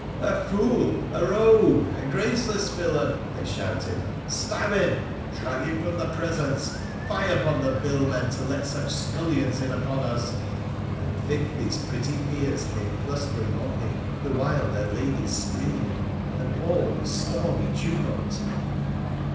' A fool !'' A rogue !'' A graceless villain !' they shouted. ' Stab him ! drag him from the presence ! Fie upon the bill men to let such scullions in upon us !' And thick these pretty peers came clustering on me, the while their ladies screamed, and all was stormy tumult.